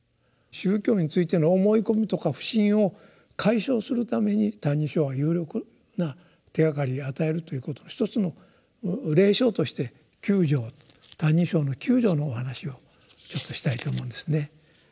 宗教についての思い込みとか不信を解消するために「歎異抄」は有力な手がかりを与えるということの一つの例証として九条「歎異抄」の九条のお話をちょっとしたいと思うんですね。